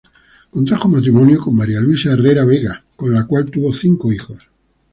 Contrajo matrimonio con María Luisa Herrera Vega, con la cual tuvo cinco hijos.